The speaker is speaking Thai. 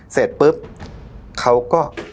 เสร็จปุ๊บเขาก็